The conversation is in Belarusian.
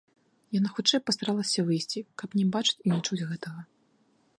Яна хутчэй пастаралася выйсці, каб не бачыць і не чуць гэтага.